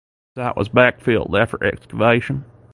The site was backfilled after excavation.